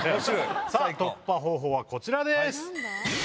さあ、突破方法はこちらです。